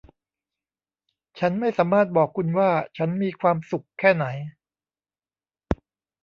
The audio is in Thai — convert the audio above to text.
ฉันไม่สามารถบอกคุณว่าฉันมีความสุขแค่ไหน